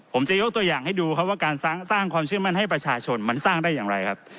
ผมจะยกตัวอย่างให้ดูครับว่าการสร้างความเชื่อมั่นให้ประชาชนมันสร้างได้อย่างไรครับ